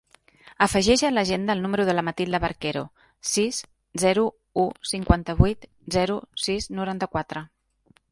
Afegeix a l'agenda el número de la Matilda Barquero: sis, zero, u, cinquanta-vuit, zero, sis, noranta-quatre.